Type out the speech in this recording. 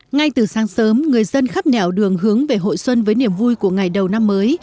ngay từ sáng sớm người dân khắp nẻo đường hướng về hội xuân với niềm vui của ngày đầu năm mới